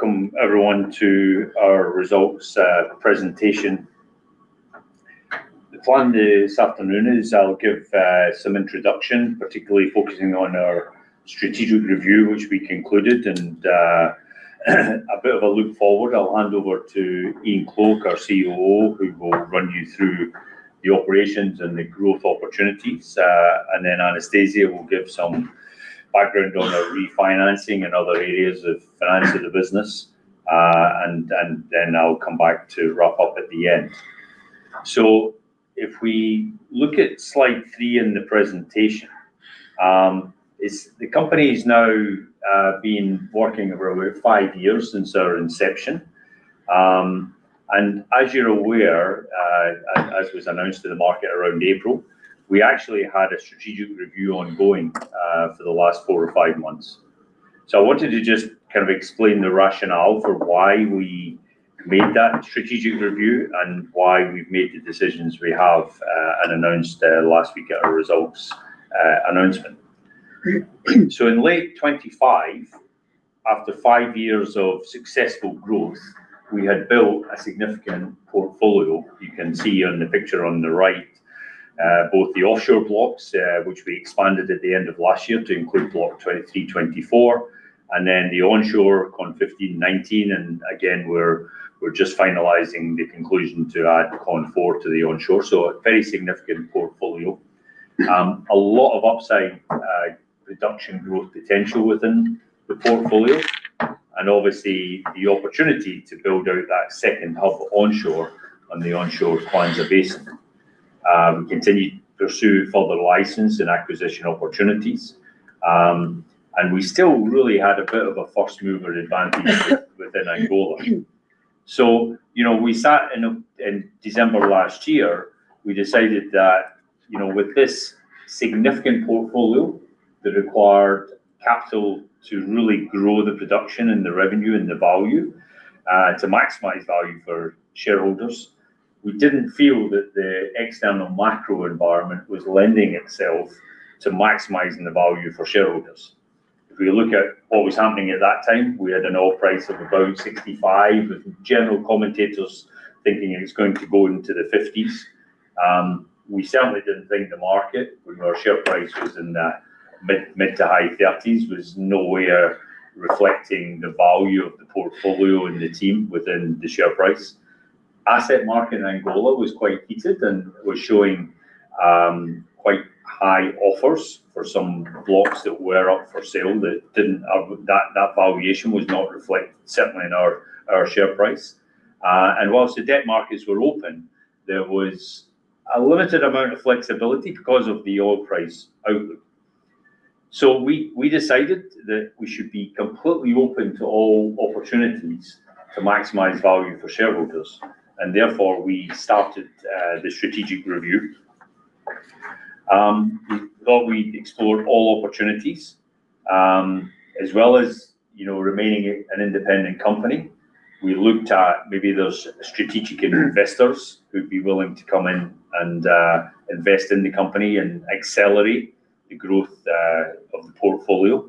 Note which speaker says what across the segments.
Speaker 1: Welcome everyone to our results presentation. The plan this afternoon is I'll give some introduction, particularly focusing on our strategic review which we concluded and a bit of a look forward. I'll hand over to Ian Cloke, our COO, who will run you through the operations and the growth opportunities. Then Anastasia will give some background on the refinancing and other areas of finance of the business. Then I'll come back to wrap up at the end. If we look at slide three in the presentation, is thde company's now been working over five years since our inception. As you're aware, as was announced to the market around April, we actually had a strategic review ongoing for the last four or five months. I wanted to just kind of explain the rationale for why we made that strategic review and why we've made the decisions we have and announced last week at our results announcement. In late 2025, after five years of successful growth, we had built a significant portfolio. You can see on the picture on the right, both the offshore blocks, which we expanded at the end of last year to include Block 23, 24, and then the onshore KON15 and KON19. Again, we're just finalizing the conclusion to add KON4 to the onshore. A very significant portfolio. A lot of upside, production growth potential within the portfolio and obviously the opportunity to build out that second hub onshore on the onshore Kwanza Basin. We continue to pursue further license and acquisition opportunities. We still really had a bit of a first mover advantage within Angola. You know, we sat in December last year, we decided that, you know, with this significant portfolio that required capital to really grow the production and the revenue and the value to maximize value for shareholders, we didn't feel that the external macro environment was lending itself to maximizing the value for shareholders. If we look at what was happening at that time, we had an oil price of about $65 with general commentators thinking it's going to go into the $50s. We certainly didn't think the market with our share price was in the mid to high $30s was nowhere reflecting the value of the portfolio and the team within the share price. Asset market in Angola was quite heated and was showing quite high offers for some blocks that were up for sale that valuation was not reflected certainly in our share price. Whilst the debt markets were open, there was a limited amount of flexibility because of the oil price outlook. We decided that we should be completely open to all opportunities to maximize value for shareholders and therefore we started the strategic review. We thought we'd explore all opportunities, as well as, you know, remaining an independent company. We looked at maybe those strategic investors who'd be willing to come in and invest in the company and accelerate the growth of the portfolio.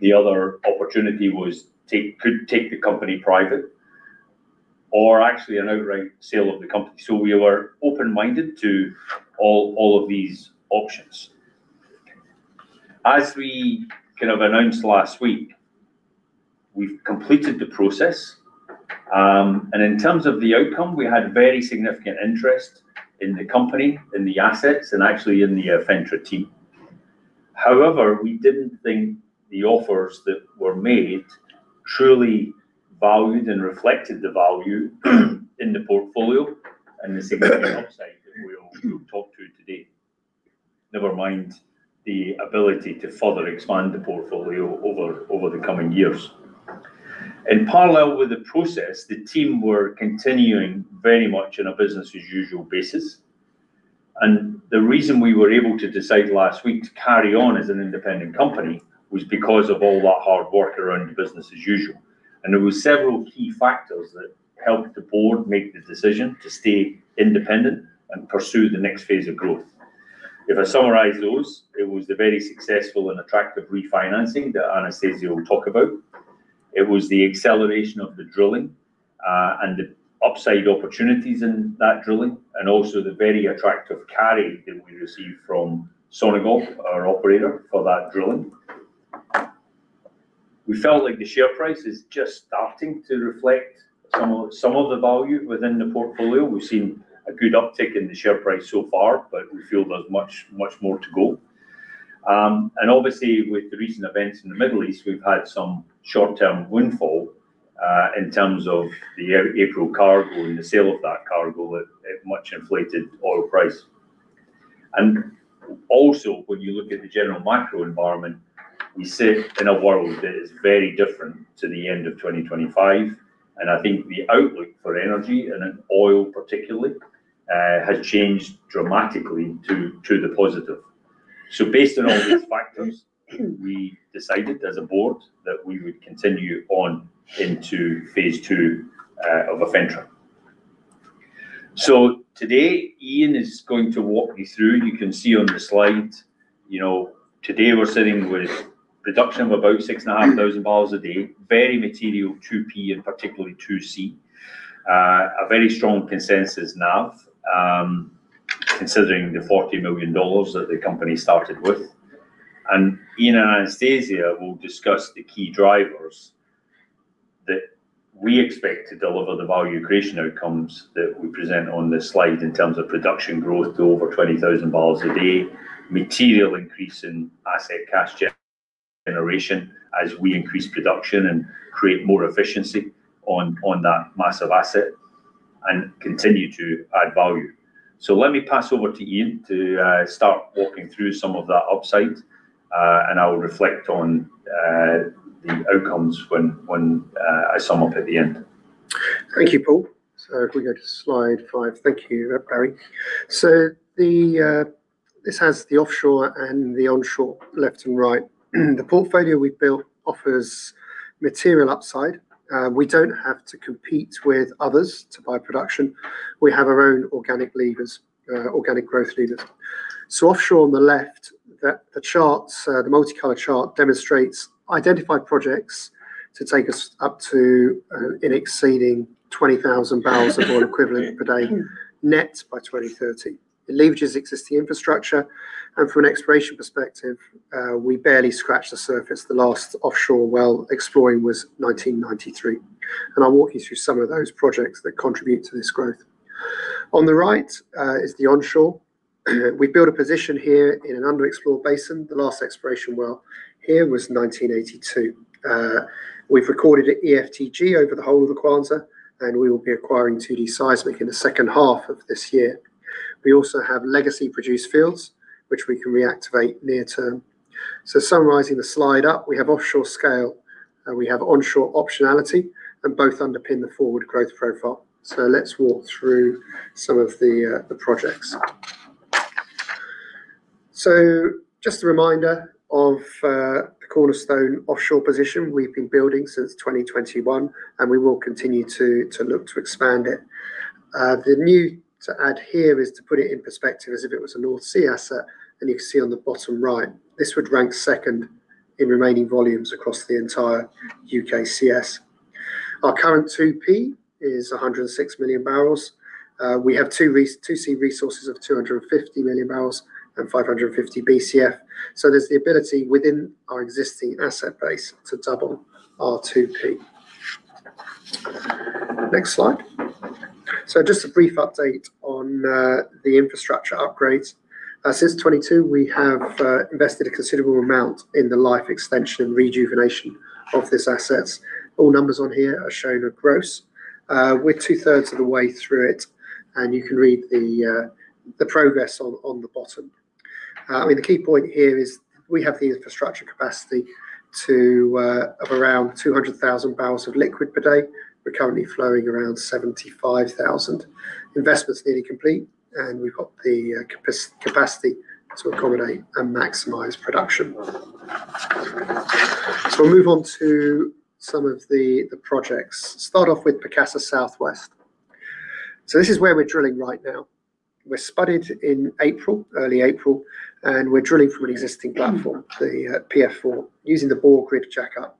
Speaker 1: The other opportunity was could take the company private or actually an outright sale of the company. We were open-minded to all of these options. As we kind of announced last week, we've completed the process. In terms of the outcome, we had very significant interest in the company, in the assets, and actually in the Afentra team. However, we didn't think the offers that were made truly valued and reflected the value in the portfolio and the significant upside that we all talked to today. Never mind the ability to further expand the portfolio over the coming years. In parallel with the process, the team were continuing very much on a business as usual basis. The reason we were able to decide last week to carry on as an independent company was because of all that hard work around the business as usual. There were several key factors that helped the board make the decision to stay independent and pursue the next phase of growth. If I summarize those, it was the very successful and attractive refinancing that Anastasia will talk about. It was the acceleration of the drilling and the upside opportunities in that drilling and also the very attractive carry that we received from Sonangol, our operator, for that drilling. We felt like the share price is just starting to reflect some of the value within the portfolio. We've seen a good uptick in the share price so far, but we feel there's much, much more to go. Obviously with the recent events in the Middle East, we've had some short-term windfall in terms of the April cargo and the sale of that cargo at much inflated oil price. Also when you look at the general macro environment, we sit in a world that is very different to the end of 2025. I think the outlook for energy and in oil particularly, has changed dramatically to the positive. Based on all these factors, we decided as a board that we would continue on into phase II of Afentra. Today Ian is going to walk you through. You can see on the slide, you know, today we're sitting with production of about 6,500 BOPD. Very material 2P, and particularly 2C. A very strong consensus NAV, considering the $40 million that the company started with. Ian and Anastasia will discuss the key drivers that we expect to deliver the value creation outcomes that we present on this slide in terms of production growth to over 20,000 bpd. Material increase in asset cash generation as we increase production and create more efficiency on that massive asset and continue to add value. Let me pass over to Ian to start walking through some of that upside. I will reflect on the outcomes when I sum up at the end.
Speaker 2: Thank you, Paul. If we go to slide five. Thank you, Barry. The, this has the offshore and the onshore left and right. The portfolio we've built offers material upside. We don't have to compete with others to buy production. We have our own organic levers, organic growth levers. Offshore on the left, the multicolor chart demonstrates identified projects to take us up to, in exceeding 20,000 BOEPD net by 2030. It leverages existing infrastructure, and from an exploration perspective, we barely scratched the surface. The last offshore well exploring was 1993. I'll walk you through some of those projects that contribute to this growth. On the right, is the onshore. We built a position here in an underexplored basin. The last exploration well here was 1982. We've recorded an eFTG over the whole of the Kwanza, and we will be acquiring 2D seismic in the second half of this year. We also have legacy produced fields which we can reactivate near term. Summarizing the slide up, we have offshore scale, and we have onshore optionality, and both underpin the forward growth profile. Let's walk through some of the projects. Just a reminder of the cornerstone offshore position we've been building since 2021, and we will continue to look to expand it. The new to add here is to put it in perspective as if it was a North Sea asset. You can see on the bottom right, this would rank second in remaining volumes across the entire UKCS. Our current 2P is 106 MMbbl. We have two 2C resources of 250 MMbbl and 550 BCF. There's the ability within our existing asset base to double our 2P. Next slide. Just a brief update on the infrastructure upgrades. Since 2022 we have invested a considerable amount in the life extension and rejuvenation of these assets. All numbers on here are shown are gross. We're two-thirds of the way through it, and you can read the progress on the bottom. I mean, the key point here is we have the infrastructure capacity of around 200,000 bpd. We're currently flowing around 75,000 bpd. Investment's nearly complete, and we've got the capacity to accommodate and maximize production. We'll move on to some of the projects. Start off with Pacassa Southwest. This is where we're drilling right now. We spudded in April, early April, and we're drilling from an existing platform, the PF4, using the Borr Drilling Jackup.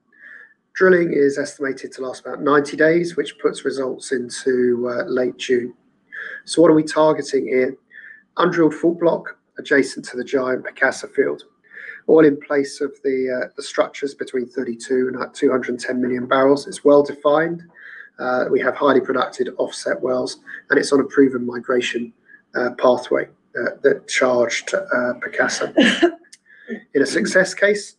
Speaker 2: Drilling is estimated to last about 90 days, which puts results into late June. What are we targeting here? Undrilled fault block adjacent to the giant Pacassa field. Oil in place of the structures between 32 MMbbl and 210 MMbbl. It's well defined. We have highly productive offset wells, and it's on a proven migration pathway that charged Pacassa. In a success case,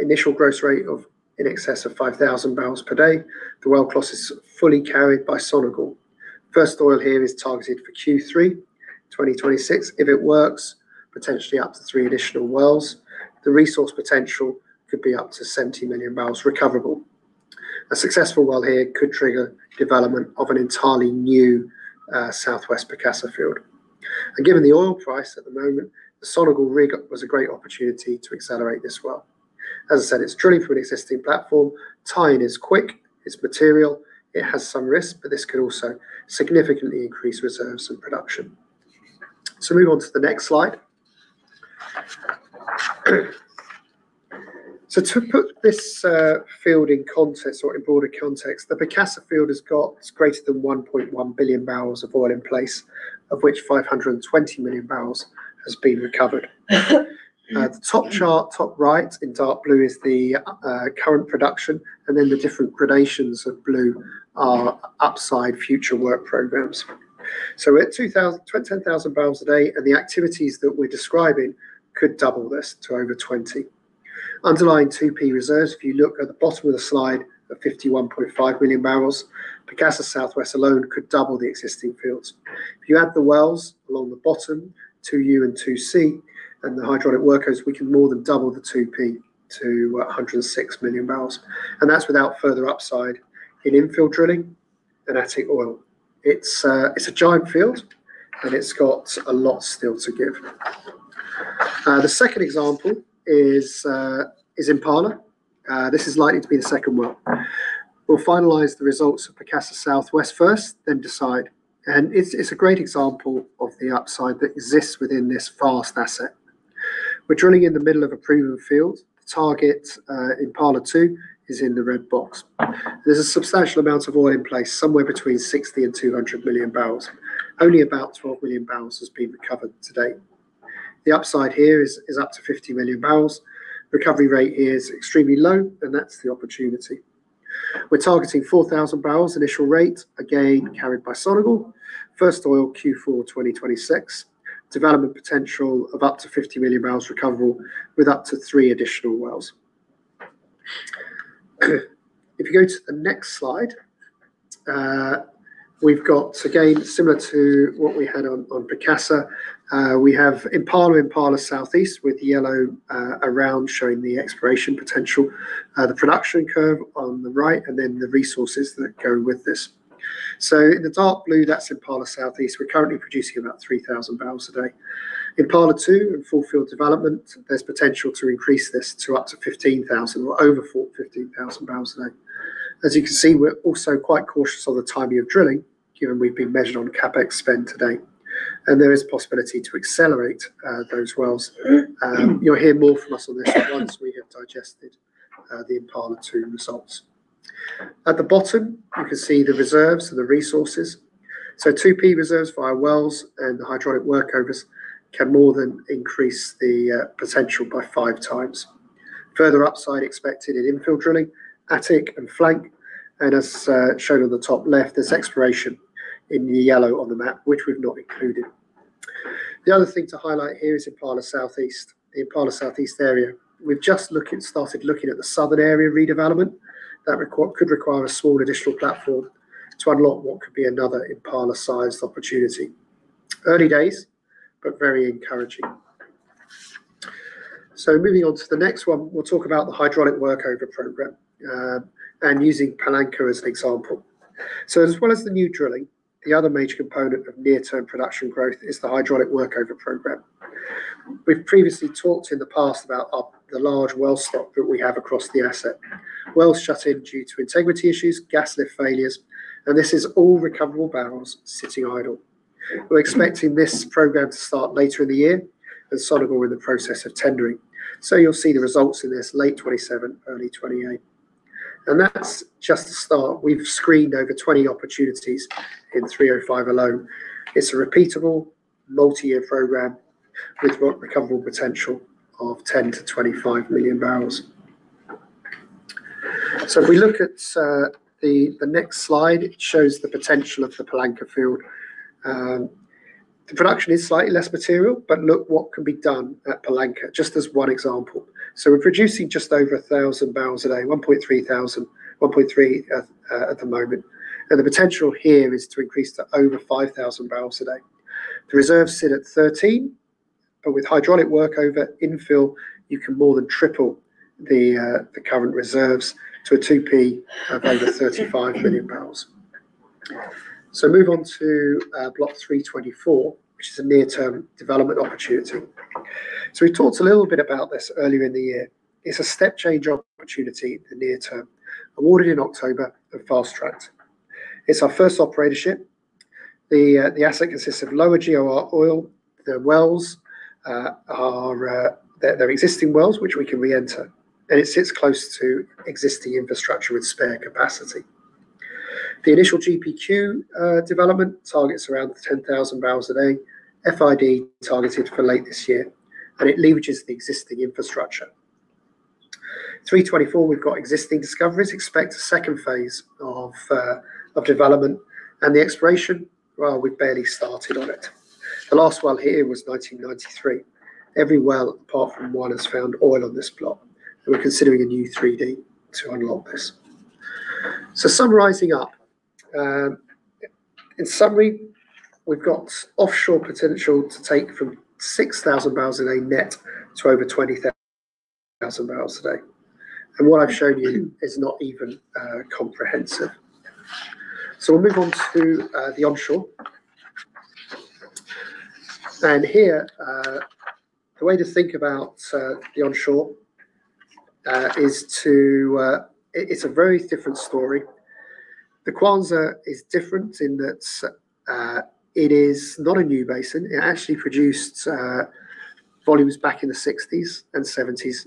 Speaker 2: initial gross rate of in excess of 5,000 bpd. The well cost is fully carried by Sonangol. First oil here is targeted for Q3 2026. If it works, potentially up to three additional wells. The resource potential could be up to 70 MMbbl recoverable. A successful well here could trigger development of an entirely new Southwest Pacassa field. Given the oil price at the moment, the Sonangol rig was a great opportunity to accelerate this well. As I said, it's drilling from an existing platform. Tie-in is quick, it's material. It has some risk, but this could also significantly increase reserves and production. Move on to the next slide. To put this field in context or in broader context, the Pacassa field is greater than 1.1 Bbbl of oil in place, of which 520 MMbbl has been recovered. The top chart, top right in dark blue is the current production, and then the different gradations of blue are upside future work programs. We're at 2,000 bpd-10,000 bpd, and the activities that we're describing could double this to over 20,000 bpd. Underlying 2P reserves, if you look at the bottom of the slide at 51.5 MMbbl, Pacassa Southwest alone could double the existing fields. If you add the wells along the bottom, 2U and 2C and the hydraulic workovers, we can more than double the 2P to 106 MMbbl. That's without further upside in infill drilling and attic oil. It's a giant field, and it's got a lot still to give. The second example is Impala. This is likely to be the second well. We'll finalize the results of Pacassa Southwest first, then decide. It's a great example of the upside that exists within this vast asset. We're drilling in the middle of a proven field. The target, Impala-2 is in the red box. There's a substantial amount of oil in place, somewhere between 60 MMbbl and 200 MMbbl. Only about 12 MMbbl has been recovered to date. The upside here is up to 50 MMbbl. Recovery rate is extremely low, that's the opportunity. We're targeting 4,000 bbl initial rate, again, carried by Sonangol. First oil Q4 2026. Development potential of up to 50 MMbbl recoverable with up to three additional wells. If you go to the next slide, we've got, again, similar to what we had on Pacassa, we have Impala Southeast with yellow around showing the exploration potential. The production curve on the right then the resources that go with this. In the dark blue, that's Impala Southeast. We're currently producing about 3,000 bpd. Impala-2 in full field development, there's potential to increase this to up to 15,000 bpd or over 15,000 bpd. As you can see, we're also quite cautious on the timing of drilling given we've been measured on CapEx spend to date, and there is possibility to accelerate those wells. You'll hear more from us on this once we have digested the Impala-2 results. At the bottom, you can see the reserves and the resources. 2P reserves via wells and the hydraulic workovers can more than increase the potential by 5 times. Further upside expected in infill drilling, attic and flank. As shown on the top left, there's exploration in the yellow on the map which we've not included. The other thing to highlight here is Impala Southeast. The Impala Southeast area. We've started looking at the southern area redevelopment. That could require a small additional platform to unlock what could be another Impala-sized opportunity. Early days, but very encouraging. Moving on to the next one, we'll talk about the hydraulic workover program, and using Palanca as an example. As well as the new drilling, the other major component of near-term production growth is the hydraulic workover program. We've previously talked in the past about the large well stock that we have across the asset. Wells shut in due to integrity issues, gas lift failures, and this is all recoverable barrels sitting idle. We're expecting this program to start later in the year, and Sonangol are in the process of tendering. You'll see the results in this late 2027, early 2028. That's just the start. We've screened over 20 opportunities in 3/05 alone. It's a repeatable multi-year program with recoverable potential of 10 MMbbl-25 MMbbl. If we look at the next slide, it shows the potential of the Palanca field. The production is slightly less material, look what can be done at Palanca, just as one example. We're producing just over 1,000 bpd, 1,300 bpd at the moment. The potential here is to increase to over 5,000 bpd. The reserves sit at 13 MMbbl, with hydraulic workover infill, you can more than triple the current reserves to a 2P of over 35 MMbbl. Move on to Block 3/24, which is a near-term development opportunity. We talked a little bit about this earlier in the year. It's a step change opportunity in the near term. Awarded in October and fast-tracked. It's our first operatorship. The asset consists of lower GOR oil. The wells, they're existing wells, which we can reenter. It sits close to existing infrastructure with spare capacity. The initial GPQ development targets around the 10,000 bpd. FID targeted for late this year. It leverages the existing infrastructure. 3/24, we've got existing discoveries. Expect a second phase of development. The exploration, well, we've barely started on it. The last well here was 1993. Every well apart from one has found oil on this block. We're considering a new 3D to unlock this. Summarizing up. In summary, we've got offshore potential to take from 6,000 bpd net to over 20,000 bpd. What I've shown you is not even comprehensive. We'll move on to the onshore. Here, the way to think about the onshore is it's a very different story. The Kwanza is different in that it is not a new basin. It actually produced volumes back in the '60s and '70s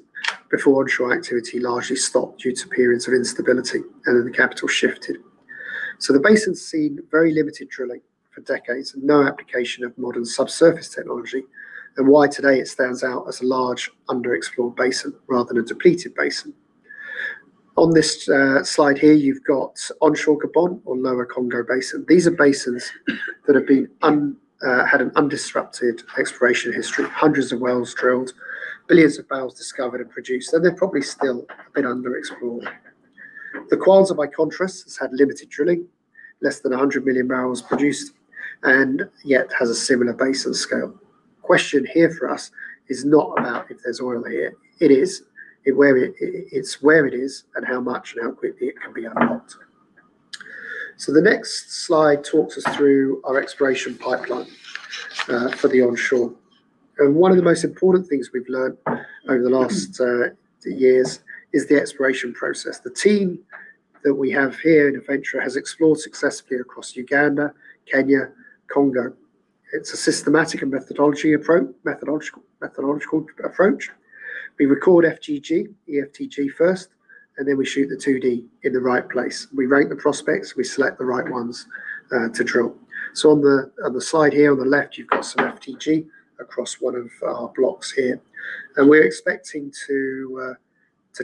Speaker 2: before onshore activity largely stopped due to periods of instability, and then the capital shifted. The basin's seen very limited drilling for decades and no application of modern subsurface technology, and why today it stands out as a large underexplored basin rather than a depleted basin. On this slide here, you've got onshore Gabon or Lower Congo Basin. These are basins that have had an undisrupted exploration history. Hundreds of wells drilled, billions of barrels discovered and produced, and they're probably still a bit underexplored. The Kwanza, by contrast, has had limited drilling. Less than 100 MMbbl produced, and yet has a similar basin scale. Question here for us is not about if there's oil here. It is where it is and how much and how quickly it can be unlocked. The next slide talks us through our exploration pipeline for the onshore. One of the most important things we've learned over the last years is the exploration process. The team that we have here in Afentra has explored successfully across Uganda, Kenya, Congo. It's a systematic and methodological approach. We record FTG, eFTG first, then we shoot the 2D in the right place. We rank the prospects. We select the right ones to drill. On the slide here on the left, you've got some FTG across one of our blocks here, and we're expecting to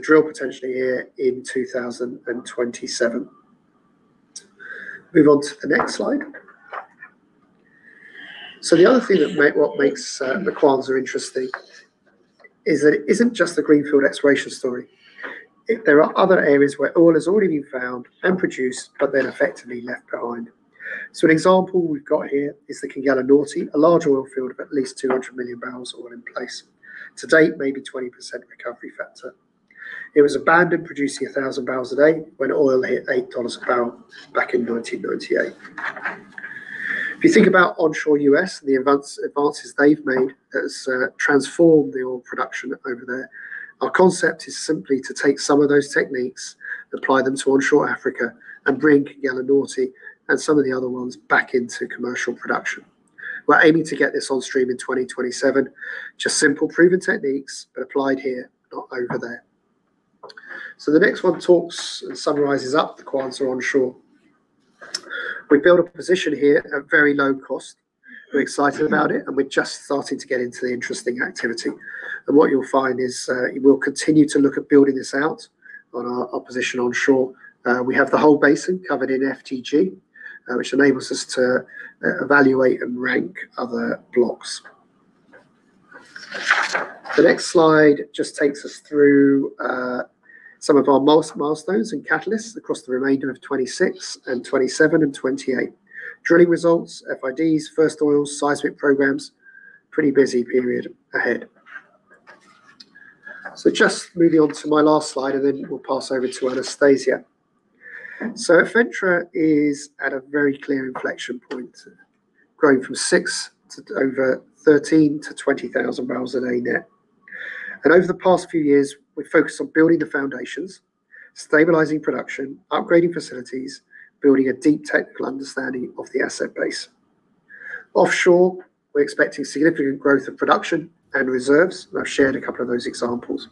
Speaker 2: drill potentially here in 2027. Move on to the next slide. The other thing that makes the Kwanza interesting is that it isn't just the greenfield exploration story. There are other areas where oil has already been found and produced, but then effectively left behind. An example we've got here is the Quenguela Norte, a large oil field of at least 200 MMbbl of oil in place. To date, maybe 20% recovery factor. It was abandoned producing 1,000 bpd when oil hit $8 a barrel back in 1998. If you think about onshore U.S. and the advances they've made that's transformed the oil production over there, our concept is simply to take some of those techniques, apply them to onshore Africa and bring Quenguela Norte and some of the other ones back into commercial production. We're aiming to get this on stream in 2027. Simple proven techniques, but applied here, not over there. The next one talks and summarizes up the Kwanza onshore. We build a position here at very low cost. We're excited about it, and we're just starting to get into the interesting activity. What you'll find is we'll continue to look at building this out on our position onshore. We have the whole basin covered in FTG, which enables us to evaluate and rank other blocks. The next slide just takes us through some of our most milestones and catalysts across the remainder of 2026 and 2027 and 2028. Drilling results, FIDs, first oils, seismic programs. Pretty busy period ahead. Just moving on to my last slide, and then we'll pass over to Anastasia. Afentra is at a very clear inflection point, growing from 6 bpd to over 13 bpd to 20,000 bpd net. Over the past few years, we've focused on building the foundations, stabilizing production, upgrading facilities, building a deep technical understanding of the asset base. Offshore, we're expecting significant growth in production and reserves, and I've shared a couple of those examples.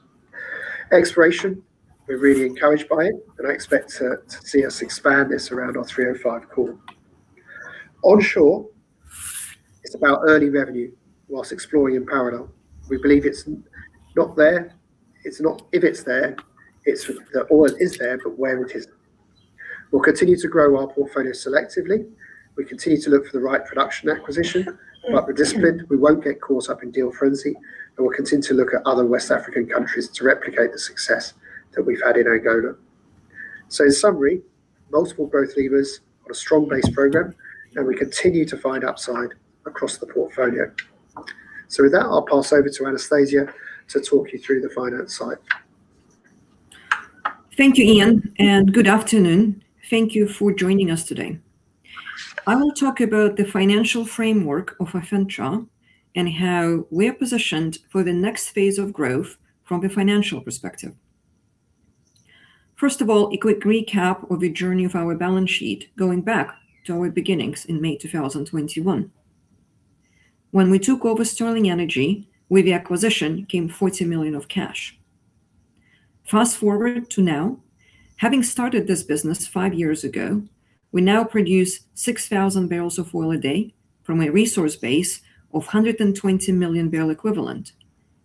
Speaker 2: Exploration, we're really encouraged by it, and I expect to see us expand this around our 3/05 core. Onshore, it's about early revenue whilst exploring in parallel. We believe it's not there. It's not if it's there, it's the oil is there, but where it is. We'll continue to grow our portfolio selectively. We continue to look for the right production acquisition, but with discipline. We won't get caught up in deal frenzy. We'll continue to look at other West African countries to replicate the success that we've had in Angola. In summary, multiple growth levers on a strong base program. We continue to find upside across the portfolio. With that, I'll pass over to Anastasia to talk you through the finance side.
Speaker 3: Thank you, Ian. Good afternoon. Thank you for joining us today. I will talk about the financial framework of Afentra and how we're positioned for the next phase of growth from a financial perspective. First of all, a quick recap of the journey of our balance sheet going back to our beginnings in May 2021. When we took over Sterling Energy, with the acquisition came $40 million of cash. Fast-forward to now, having started this business five years ago, we now produce 6,000 BOPD from a resource base of 120 MMbbl equivalent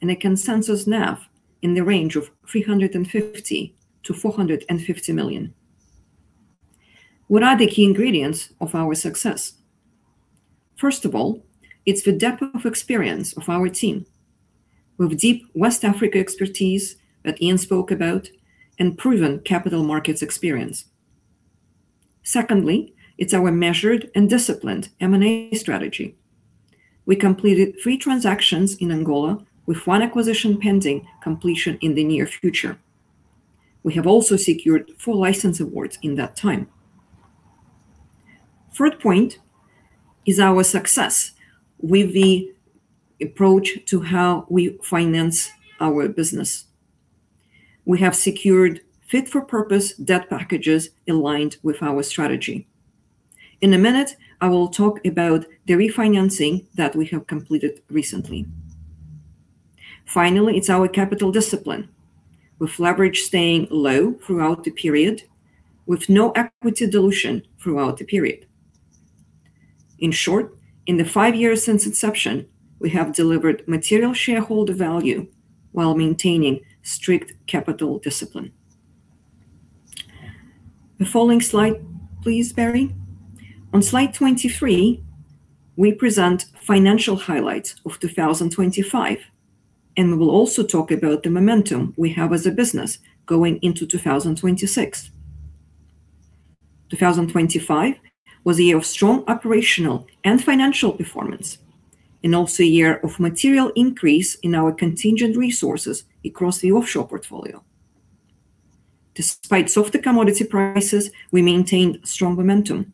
Speaker 3: and a consensus NAV in the range of $350 million-$450 million. What are the key ingredients of our success? First of all, it's the depth of experience of our team. We have deep West Africa expertise that Ian spoke about and proven capital markets experience. Secondly, it's our measured and disciplined M&A strategy. We completed three transactions in Angola with one acquisition pending completion in the near future. We have also secured four license awards in that time. Third point is our success with the approach to how we finance our business. We have secured fit for purpose debt packages aligned with our strategy. In a minute, I will talk about the refinancing that we have completed recently. Finally, it's our capital discipline with leverage staying low throughout the period with no equity dilution throughout the period. In short, in the five years since inception, we have delivered material shareholder value while maintaining strict capital discipline. The following slide, please, Barry. On slide 23, we present financial highlights of 2025. We will also talk about the momentum we have as a business going into 2026. 2025 was a year of strong operational and financial performance. Also a year of material increase in our contingent resources across the offshore portfolio. Despite softer commodity prices, we maintained strong momentum.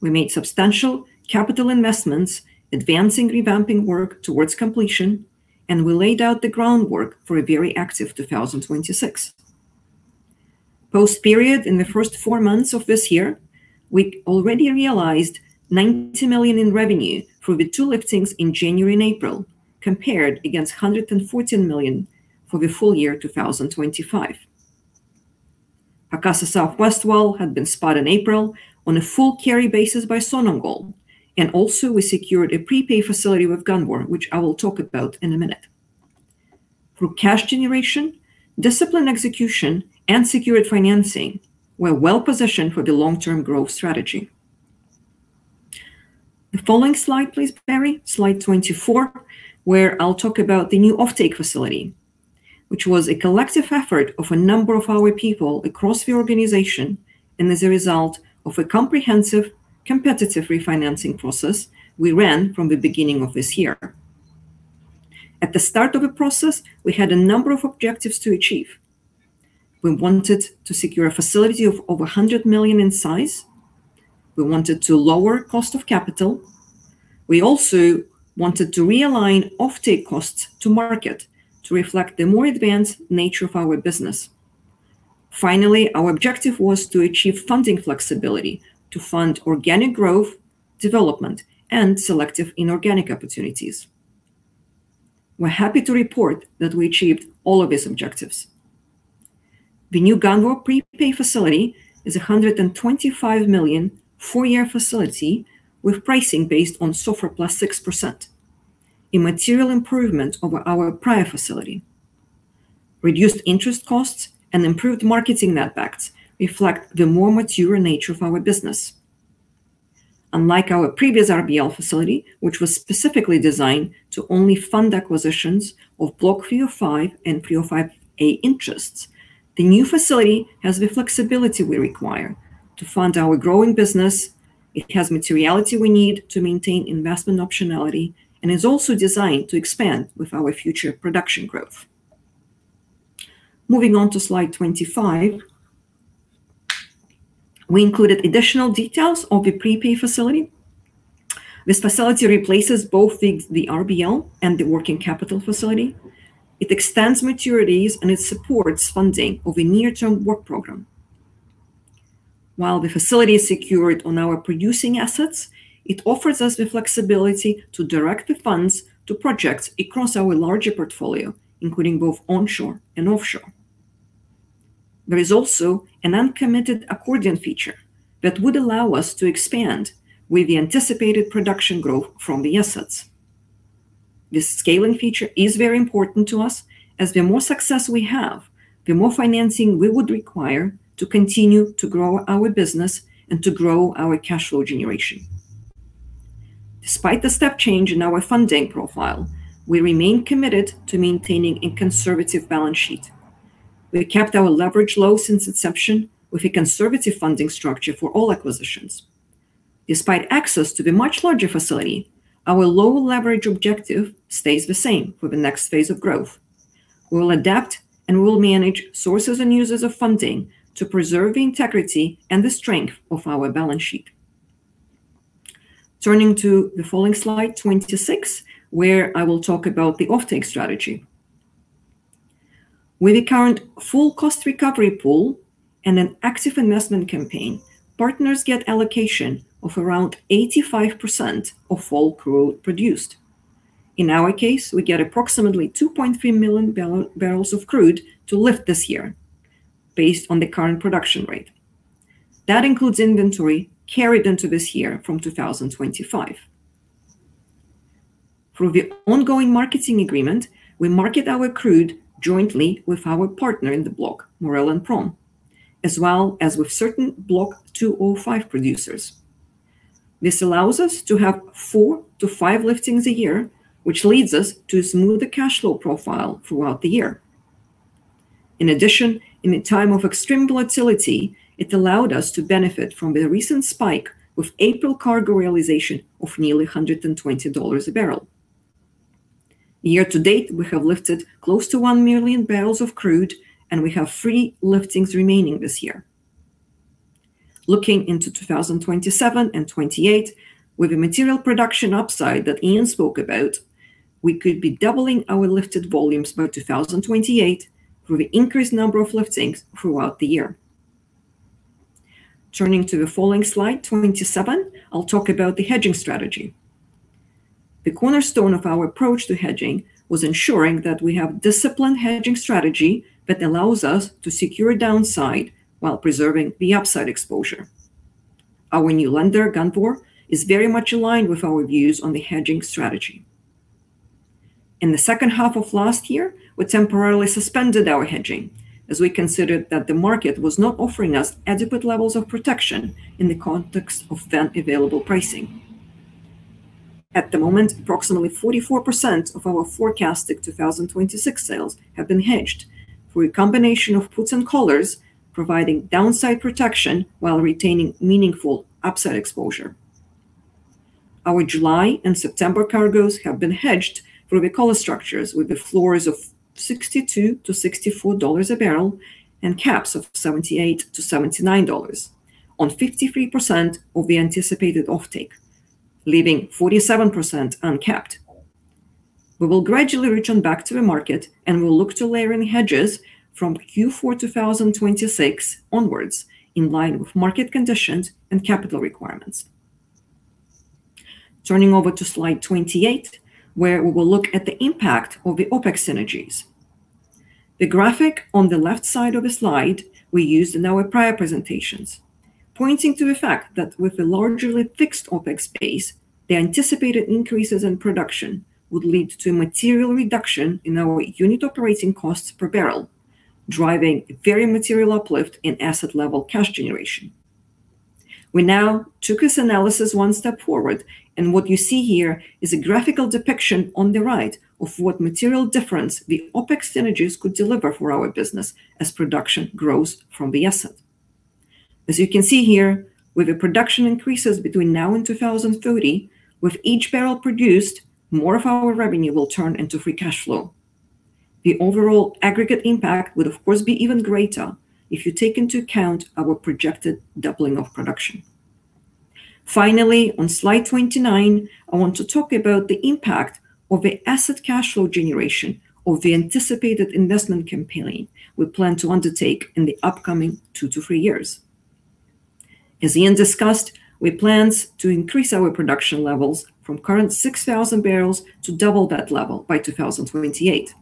Speaker 3: We made substantial capital investments, advancing revamping work towards completion. We laid out the groundwork for a very active 2026. Post period in the first four months of this year, we already realized $90 million in revenue for the two liftings in January and April, compared against $114 million for the full year 2025. Pacassa Southwest Well had been spudded in April on a full carry basis by Sonangol, and also we secured a prepay facility with Gunvor, which I will talk about in a minute. Through cash generation, disciplined execution, and secured financing, we're well-positioned for the long-term growth strategy. The following slide, please, Barry, slide 24, where I'll talk about the new offtake facility, which was a collective effort of a number of our people across the organization and as a result of a comprehensive competitive refinancing process we ran from the beginning of this year. At the start of the process, we had a number of objectives to achieve. We wanted to secure a facility of over $100 million in size. We wanted to lower cost of capital. We also wanted to realign offtake costs to market to reflect the more advanced nature of our business. Finally, our objective was to achieve funding flexibility to fund organic growth, development, and selective inorganic opportunities. We're happy to report that we achieved all of these objectives. The new Gunvor prepay facility is a $125 million, four-year facility with pricing based on SOFR plus 6%, a material improvement over our prior facility. Reduced interest costs and improved marketing netbacks reflect the more mature nature of our business. Unlike our previous RBL facility, which was specifically designed to only fund acquisitions of Block 3/05 and 3/05A interests, the new facility has the flexibility we require to fund our growing business. It has materiality we need to maintain investment optionality and is also designed to expand with our future production growth. Moving on to slide 25. We included additional details of the prepay facility. This facility replaces both the RBL and the working capital facility. It extends maturities, it supports funding of a near-term work program. While the facility is secured on our producing assets, it offers us the flexibility to direct the funds to projects across our larger portfolio, including both onshore and offshore. There is also an uncommitted accordion feature that would allow us to expand with the anticipated production growth from the assets. This scaling feature is very important to us, as the more success we have, the more financing we would require to continue to grow our business and to grow our cash flow generation. Despite the step change in our funding profile, we remain committed to maintaining a conservative balance sheet. We have kept our leverage low since inception with a conservative funding structure for all acquisitions. Despite access to the much larger facility, our low leverage objective stays the same for the next phase of growth. We'll adapt and we'll manage sources and users of funding to preserve the integrity and the strength of our balance sheet. Turning to the following slide, 26, where I will talk about the offtake strategy. With the current full cost recovery pool and an active investment campaign, partners get allocation of around 85% of all crude produced. In our case, we get approximately 2.3 MMbbl of crude to lift this year based on the current production rate. That includes inventory carried into this year from 2025. Through the ongoing marketing agreement, we market our crude jointly with our partner in the block, Maurel & Prom, as well as with certain Block 2/05 producers. This allows us to have four to five liftings a year, which leads us to smoother cash flow profile throughout the year. In a time of extreme volatility, it allowed us to benefit from the recent spike with April cargo realization of nearly $120/bbl. Year to date, we have lifted close to 1 MMbbl of crude, we have three liftings remaining this year. Looking into 2027 and 2028, with the material production upside that Ian spoke about, we could be doubling our lifted volumes by 2028 through the increased number of liftings throughout the year. Turning to the following slide, 27, I will talk about the hedging strategy. The cornerstone of our approach to hedging was ensuring that we have disciplined hedging strategy that allows us to secure downside while preserving the upside exposure. Our new lender, Gunvor, is very much aligned with our views on the hedging strategy. In the second half of last year, we temporarily suspended our hedging as we considered that the market was not offering us adequate levels of protection in the context of then available pricing. At the moment, approximately 44% of our forecasted 2026 sales have been hedged through a combination of puts and collars providing downside protection while retaining meaningful upside exposure. Our July and September cargoes have been hedged through the collar structures with the floors of $62/bbl-$64/bbl and caps of $78-$79 on 53% of the anticipated offtake, leaving 47% uncapped. We will gradually return back to the market, and we'll look to layer in hedges from Q4 2026 onwards in line with market conditions and capital requirements. Turning over to slide 28, where we will look at the impact of the OpEx synergies. The graphic on the left side of the slide we used in our prior presentations, pointing to the fact that with the largely fixed OpEx base, the anticipated increases in production would lead to a material reduction in our unit operating costs per barrel, driving very material uplift in asset level cash generation. We now took this analysis one step forward, and what you see here is a graphical depiction on the right of what material difference the OpEx synergies could deliver for our business as production grows from the asset. As you can see here, with the production increases between now and 2030, with each barrel produced, more of our revenue will turn into free cash flow. The overall aggregate impact would of course be even greater if you take into account our projected doubling of production. Finally, on slide 29, I want to talk about the impact of the asset cash flow generation of the anticipated investment campaign we plan to undertake in the upcoming two to three years. As Ian discussed, we plan to increase our production levels from current 6,000 bbl to double that level by 2028.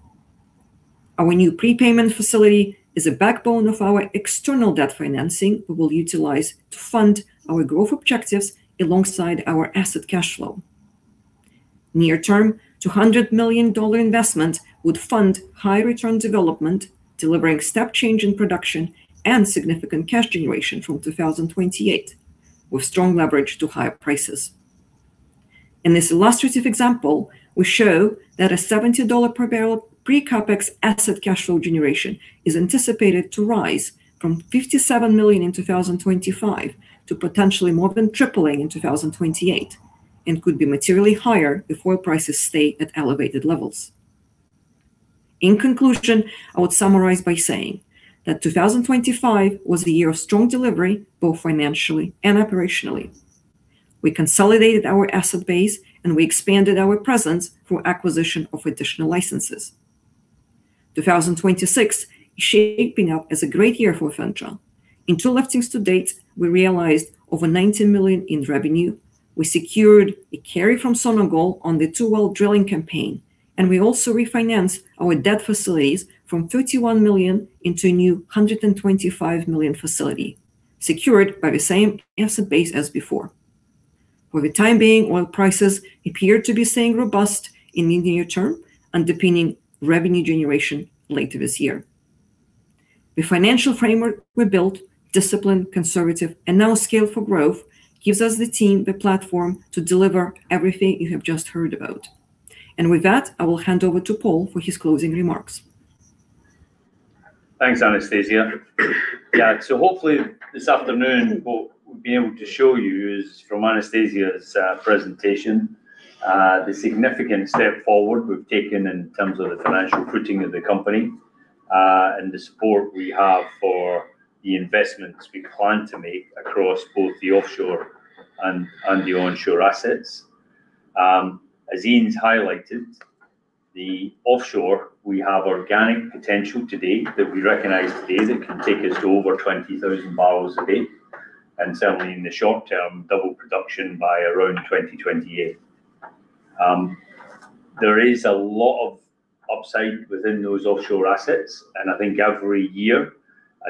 Speaker 3: Our new prepay facility is a backbone of our external debt financing we will utilize to fund our growth objectives alongside our asset cash flow. Near term, $200 million investment would fund high return development, delivering step change in production and significant cash generation from 2028, with strong leverage to higher prices. In this illustrative example, we show that a $70/bbl pre-CapEx asset cash flow generation is anticipated to rise from $57 million in 2025 to potentially more than tripling in 2028, and could be materially higher if oil prices stay at elevated levels. In conclusion, I would summarize by saying that 2025 was the year of strong delivery, both financially and operationally. We consolidated our asset base. We expanded our presence through acquisition of additional licenses. 2026 is shaping up as a great year for Afentra. In two liftings to date, we realized over $19 million in revenue. We secured a carry from Sonangol on the two well drilling campaign, and we also refinanced our debt facilities from $31 million into a new $125 million facility, secured by the same asset base as before. For the time being, oil prices appear to be staying robust in the near term, underpinning revenue generation later this year. The financial framework we built, disciplined, conservative, and now scaled for growth, gives us the team the platform to deliver everything you have just heard about. With that, I will hand over to Paul for his closing remarks.
Speaker 1: Thanks, Anastasia. Hopefully this afternoon, what we'll be able to show you is from Anastasia's presentation, the significant step forward we've taken in terms of the financial footing of the company, and the support we have for the investments we plan to make across both the offshore and the onshore assets. As Ian's highlighted, the offshore, we have organic potential today that we recognize today that can take us to over 20,000 bpd, and certainly in the short term, double production by around 2028. There is a lot of upside within those offshore assets, and I think every year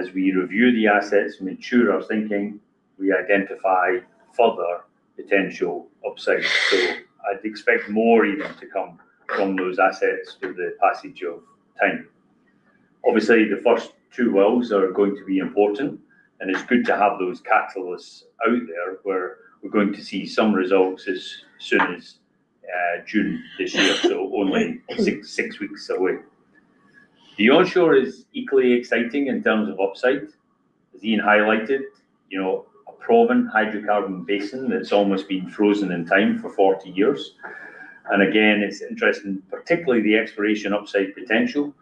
Speaker 1: as we review the assets, mature our thinking, we identify further potential upside. I'd expect more even to come from those assets through the passage of time. Obviously, the first two wells are going to be important, and it's good to have those catalysts out there where we're going to see some results as soon as June this year, so only six weeks away. The onshore is equally exciting in terms of upside. As Ian highlighted, you know, a proven hydrocarbon basin that's almost been frozen in time for 40 years. Again, it's interesting, particularly the exploration upside potential,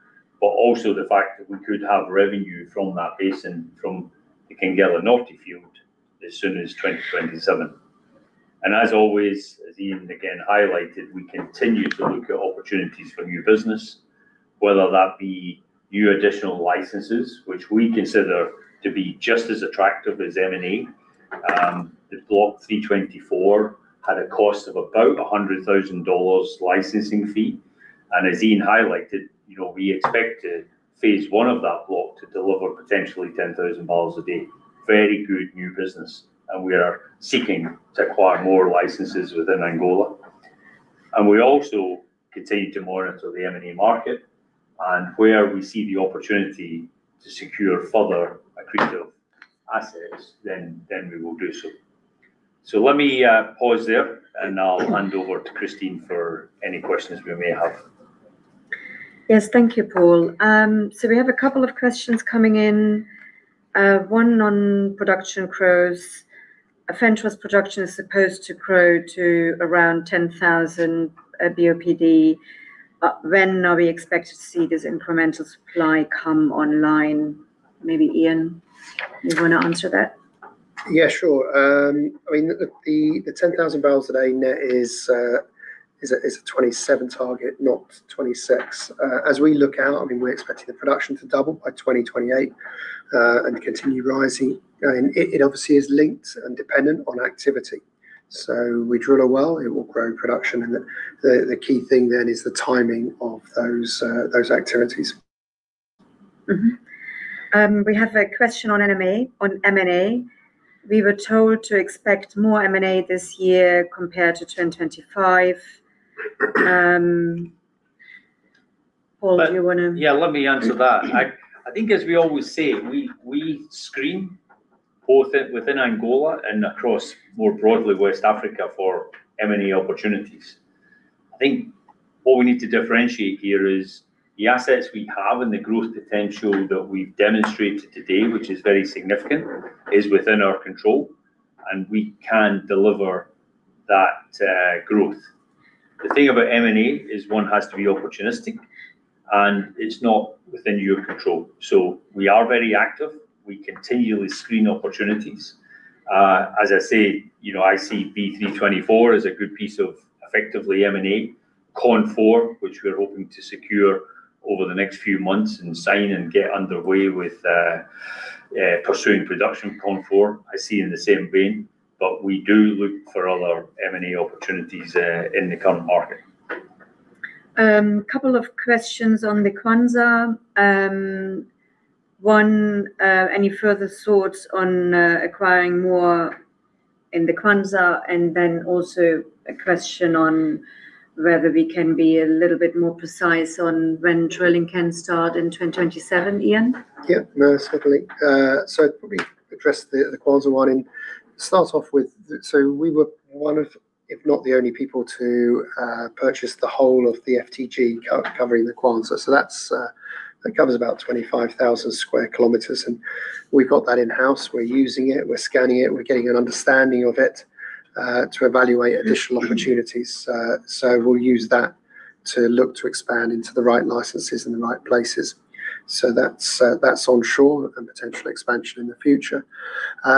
Speaker 1: but also the fact that we could have revenue from that basin from the Quenguela Norte field as soon as 2027. As always, as Ian again highlighted, we continue to look at opportunities for new business, whether that be new additional licenses, which we consider to be just as attractive as M&A. The Block 3/24 had a cost of about a $100,000 licensing fee. As Ian highlighted, you know, we expect to phase I of that block to deliver potentially 10,000 bpd. Very good new business, we are seeking to acquire more licenses within Angola. We also continue to monitor the M&A market, and where we see the opportunity to secure further accretive assets, then we will do so. Let me pause there, and I'll hand over to Christine for any questions we may have.
Speaker 4: Yes. Thank you, Paul. We have a couple of questions coming in. One on production grows. Afentra's production is supposed to grow to around 10,000 BOPD. When are we expected to see this incremental supply come online? Maybe Ian, you wanna answer that?
Speaker 2: Yeah, sure. I mean, look, the 10,000 bpd net is a 2027 target, not 2026. As we look out, I mean, we're expecting the production to double by 2028 and continue rising. And it obviously is linked and dependent on activity. We drill a well, it will grow in production, and the key thing then is the timing of those activities.
Speaker 4: We have a question on M&A. We were told to expect more M&A this year compared to 2025. Paul, do you wanna?
Speaker 1: Yeah, let me answer that. I think as we always say, we screen both within Angola and across more broadly West Africa for M&A opportunities. I think what we need to differentiate here is the assets we have and the growth potential that we've demonstrated today, which is very significant, is within our control, and we can deliver that growth. The thing about M&A is one has to be opportunistic, and it's not within your control. We are very active. We continually screen opportunities. As I say, you know, I see B324 as a good piece of effectively M&A. KON4, which we're hoping to secure over the next few months and sign and get underway with pursuing production in KON4, I see in the same vein. We do look for other M&A opportunities in the current market.
Speaker 4: Couple of questions on the Kwanza. One, any further thoughts on acquiring more in the Kwanza? Also a question on whether we can be a little bit more precise on when drilling can start in 2027. Ian?
Speaker 2: Yeah. No, certainly. Probably address the Kwanza one and start off with, we were one of, if not the only people to purchase the whole of the FTG covering the Kwanza. That covers about 25,000 sq km, and we've got that in-house. We're using it. We're scanning it. We're getting an understanding of it to evaluate additional opportunities. We'll use that to look to expand into the right licenses in the right places. That's onshore, a potential expansion in the future.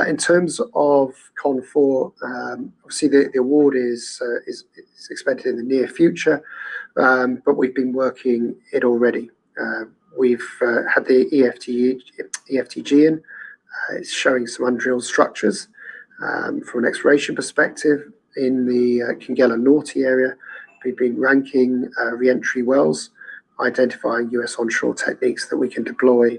Speaker 2: In terms of KON4, obviously, the award is expected in the near future. We've been working it already. We've had the eFTG in. It's showing some undrilled structures. From an exploration perspective in the Quenguela Norte area, we've been ranking re-entry wells, identifying U.S. onshore techniques that we can deploy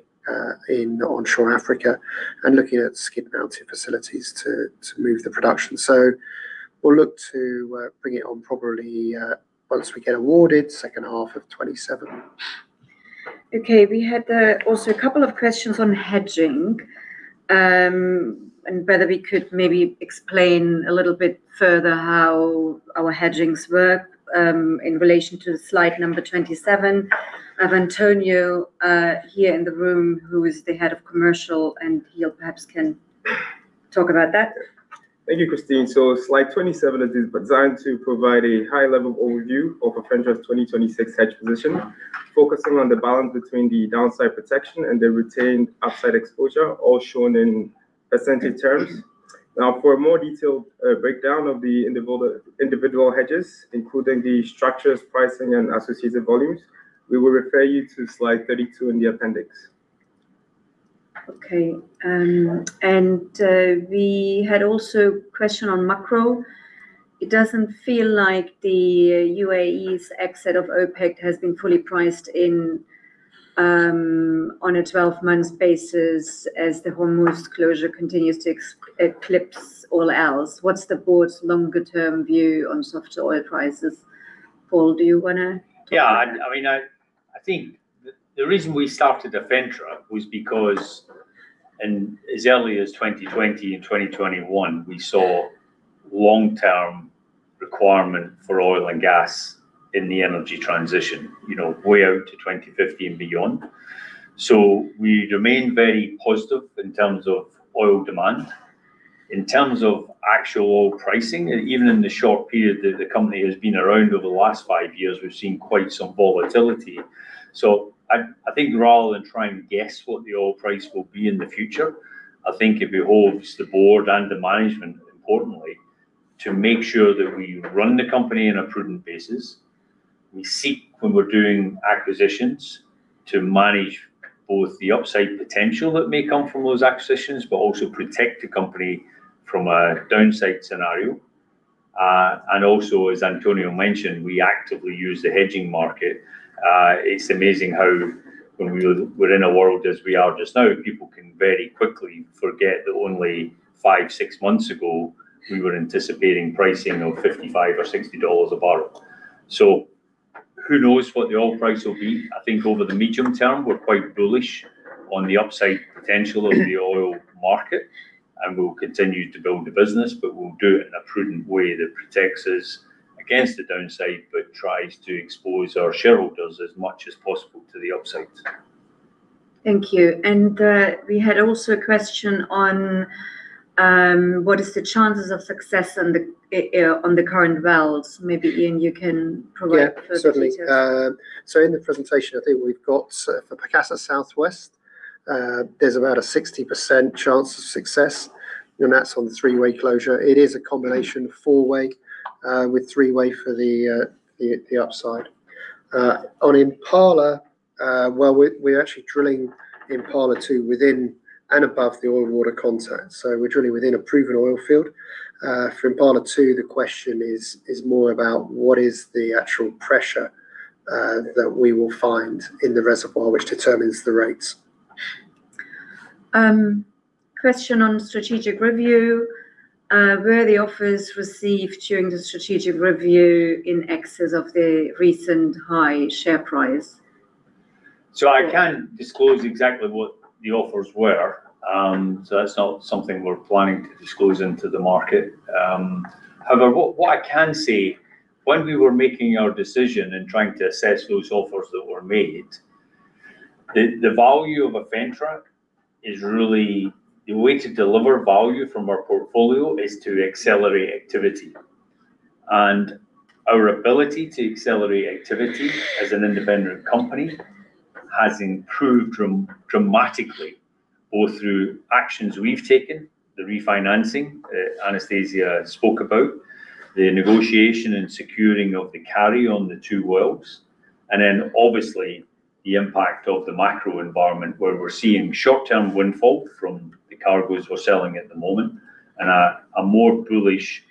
Speaker 2: in onshore Africa, and looking at skid-mounted facilities to move the production. We'll look to bring it on probably once we get awarded second half of 2027.
Speaker 4: Okay. We had, also a couple of questions on hedging, and whether we could maybe explain a little bit further how our hedgings work, in relation to slide number 27. I have Antonio here in the room, who is the Head of Commercial, and he'll perhaps can talk about that.
Speaker 5: Thank you, Christine. Slide 27 is designed to provide a high level overview of Afentra's 2026 hedge position, focusing on the balance between the downside protection and the retained upside exposure, all shown in percentage terms. Now, for a more detailed breakdown of the individual hedges, including the structures, pricing, and associated volumes, we will refer you to slide 32 in the appendix.
Speaker 4: Okay. We had also question on macro. It doesn't feel like the UAE's exit of OPEC has been fully priced in on a 12-month basis as the Hormuz closure continues to eclipse all else. What's the board's longer term view on softer oil prices? Paul, do you wanna talk about that?
Speaker 1: I mean, I think the reason we started Afentra was because in as early as 2020 and 2021, we saw long-term requirement for oil and gas in the energy transition, you know, way out to 2050 and beyond. We remain very positive in terms of oil demand. In terms of actual oil pricing, even in the short period that the company has been around over the last five years, we've seen quite some volatility. I think rather than trying to guess what the oil price will be in the future, I think it behooves the board and the management importantly to make sure that we run the company in a prudent basis. We seek when we're doing acquisitions to manage both the upside potential that may come from those acquisitions, but also protect the company from a downside scenario. And also as Antonio mentioned, we actively use the hedging market. It's amazing how when we're in a world as we are just now, people can very quickly forget that only five, six months ago we were anticipating pricing of $55/bbl or $60/bbl. Who knows what the oil price will be. I think over the medium term, we're quite bullish. On the upside potential of the oil market, and we'll continue to build the business, but we'll do it in a prudent way that protects us against the downside, but tries to expose our shareholders as much as possible to the upside.
Speaker 4: Thank you. We had also a question on what is the chances of success on the current wells? Maybe, Ian, you can provide further detail.
Speaker 2: Yeah, certainly. In the presentation, I think we've got for Pacassa Southwest, there's about a 60% chance of success. That's on the three-way closure. It is a combination of four-way, with three-way for the upside. On Impala, well, we're actually drilling Impala-2 within and above the oil-water contact. We're drilling within a proven oil field. For Impala-2 the question is more about what is the actual pressure that we will find in the reservoir which determines the rates.
Speaker 4: Question on strategic review. Were the offers received during the strategic review in excess of the recent high share price?
Speaker 1: I can disclose exactly what the offers were. That's not something we're planning to disclose into the market. However, what I can say, when we were making our decision and trying to assess those offers that were made, the value of Afentra is really the way to deliver value from our portfolio is to accelerate activity. Our ability to accelerate activity as an independent company has improved dramatically, both through actions we've taken, the refinancing Anastasia spoke about, the negotiation and securing of the carry on the two wells, obviously the impact of the macro environment where we're seeing short-term windfall from the cargoes we're selling at the moment and a more bullish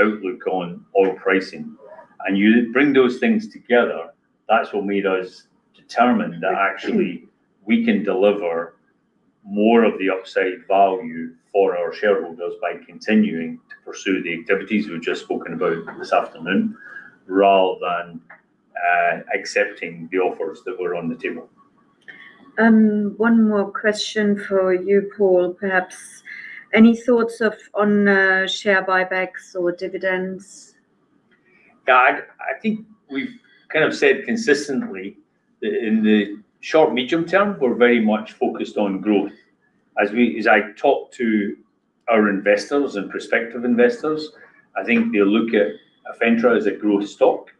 Speaker 1: outlook on oil pricing. You bring those things together, that's what made us determine that actually we can deliver more of the upside value for our shareholders by continuing to pursue the activities we've just spoken about this afternoon rather than accepting the offers that were on the table.
Speaker 4: One more question for you, Paul, perhaps. Any thoughts on share buybacks or dividends?
Speaker 1: No, I think we've kind of said consistently that in the short, medium term, we're very much focused on growth. As I talk to our investors and prospective investors, I think they look at Afentra as a growth stock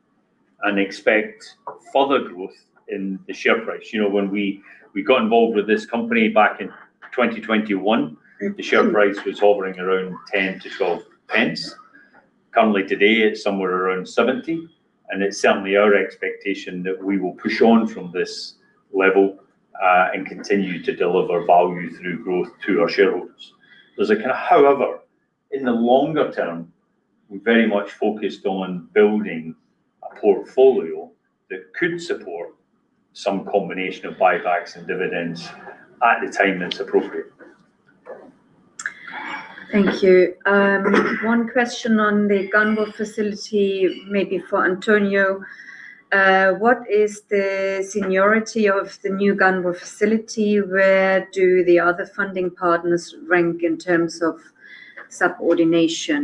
Speaker 1: and expect further growth in the share price. You know, when we got involved with this company back in 2021, the share price was hovering around 0.10-0.12. Currently today, it's somewhere around 0.70, and it's certainly our expectation that we will push on from this level and continue to deliver value through growth to our shareholders. However, in the longer term, we're very much focused on building a portfolio that could support some combination of buybacks and dividends at the time that's appropriate.
Speaker 4: Thank you. One question on the Gunvor facility, maybe for Antonio. What is the seniority of the new Gunvor facility? Where do the other funding partners rank in terms of subordination?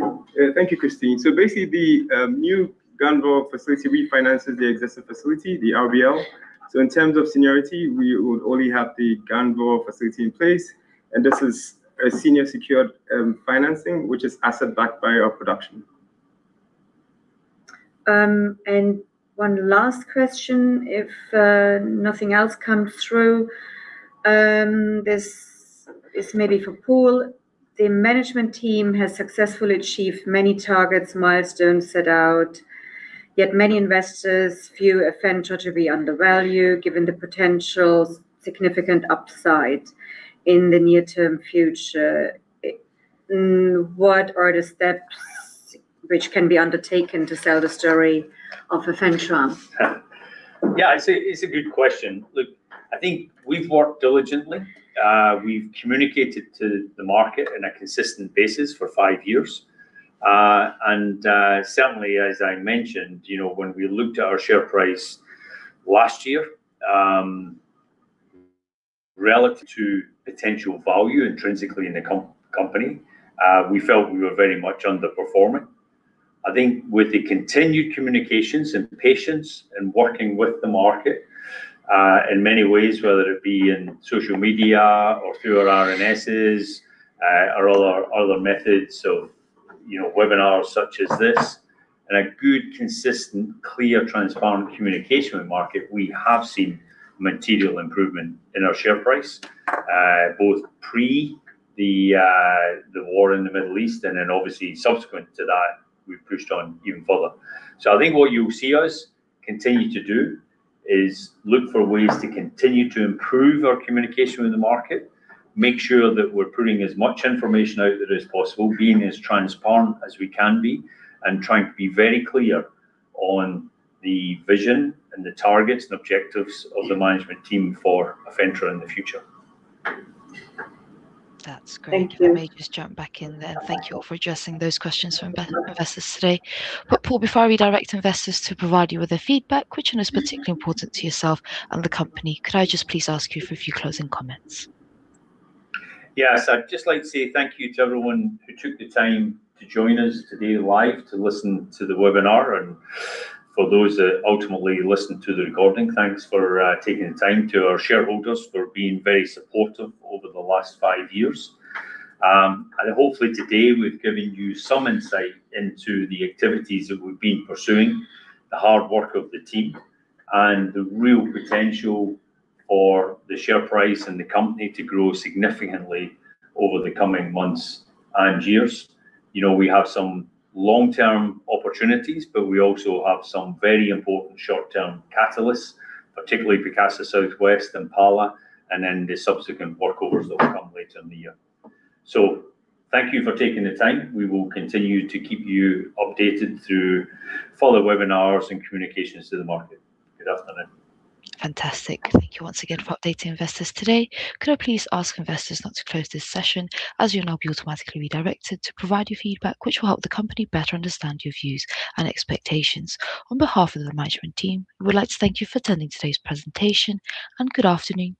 Speaker 5: Thank you, Christine. Basically the new Gunvor facility refinances the existing facility, the RBL. In terms of seniority, we would only have the Gunvor facility in place, and this is a senior secured financing, which is asset backed by our production.
Speaker 4: One last question if nothing else comes through. This is maybe for Paul. The management team has successfully achieved many targets, milestones set out, yet many investors view Afentra to be undervalued given the potential significant upside in the near-term future. What are the steps which can be undertaken to sell the story of Afentra?
Speaker 1: It's a good question. I think we've worked diligently. We've communicated to the market on a consistent basis for five years. Certainly as I mentioned, you know, when we looked at our share price last year, relative to potential value intrinsically in the company, we felt we were very much underperforming. I think with the continued communications and patience and working with the market, in many ways, whether it be in social media or through our RNSs, or other methods of, you know, webinars such as this, and a good, consistent, clear, transparent communication with market, we have seen material improvement in our share price, both pre the war in the Middle East and then obviously subsequent to that we've pushed on even further. I think what you'll see us continue to do is look for ways to continue to improve our communication with the market, make sure that we're putting as much information out there as possible, being as transparent as we can be, and trying to be very clear on the vision and the targets and objectives of the management team for Afentra in the future.
Speaker 6: That's great.
Speaker 4: Thank you.
Speaker 6: If I may just jump back in then. Thank you all for addressing those questions from investors today. Paul, before I redirect investors to provide you with their feedback, which one is particularly important to yourself and the company, could I just please ask you for a few closing comments?
Speaker 1: Yes, I'd just like to say thank you to everyone who took the time to join us today live to listen to the webinar and for those that ultimately listen to the recording, thanks for taking the time. To our shareholders, for being very supportive over the last five years. Hopefully today we've given you some insight into the activities that we've been pursuing, the hard work of the team, and the real potential for the share price and the company to grow significantly over the coming months and years. You know, we have some long-term opportunities, we also have some very important short-term catalysts, particularly Pacassa Southwest, Impala, and then the subsequent workovers that will come later in the year. Thank you for taking the time. We will continue to keep you updated through further webinars and communications to the market. Good afternoon.
Speaker 6: Fantastic. Thank you once again for updating investors today. Could I please ask investors not to close this session, as you'll now be automatically redirected to provide your feedback, which will help the company better understand your views and expectations. On behalf of the management team, we would like to thank you for attending today's presentation, and good afternoon to you.